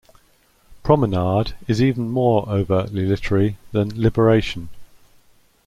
"Promenade" is even more overtly literary than "Liberation".